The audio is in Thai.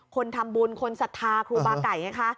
คนทำบุญคนศรัทธาครูบาไก่ไงคะ